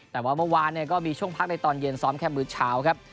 แต่ว่าเมื่อวานก็มีช่วงพักในตอนเย็นซ้อมแค่มือเช้าครับ